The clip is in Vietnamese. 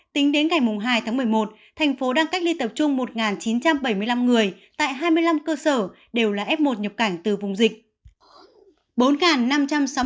tính đến ngày hai tháng một mươi một thành phố đang cách ly tập trung một chín trăm bảy mươi năm người tại hai mươi năm cơ sở đều là f một nhập cảnh từ vùng dịch